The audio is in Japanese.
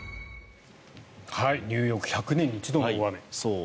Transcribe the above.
ニューヨーク１００年に一度の大雨。